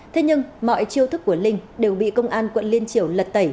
thế nhưng mọi chiêu thức của linh đều bị công an quận liên triều lật tẩy